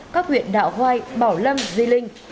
các huyện đạo hoài bảo lâm di linh